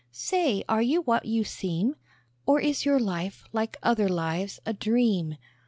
_) Say, are you what you seem? Or is your life, like other lives, a dream?